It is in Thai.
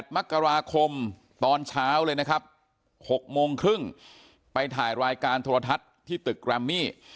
มกราคมตอนเช้าเลยนะครับ๖โมงครึ่งไปถ่ายรายการโทรทัศน์ที่ตึกแรมมี่